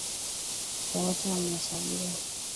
Watoto wote wamehesabiwa.